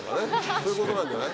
そういうことなんじゃない。